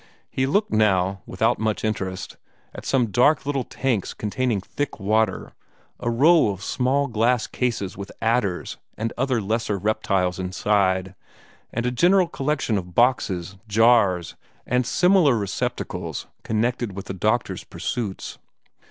He looked now, without much interest, at some dark little tanks containing thick water, a row of small glass cases with adders and other lesser reptiles inside, and a general collection of boxes, jars, and similar receptacles connected with the doctor's pursuits.